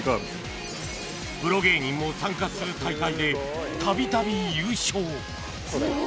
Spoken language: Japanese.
プロ芸人も参加する大会でたびたび優勝